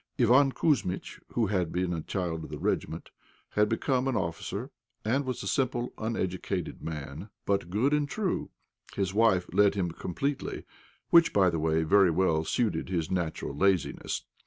Iván Kouzmitch, who had been a child of the regiment, had become an officer, and was a simple, uneducated man, but good and true. His wife led him completely, which, by the way, very well suited his natural laziness.